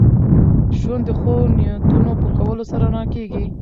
ژوند د ښو نیتونو په کولو سره رڼا کېږي.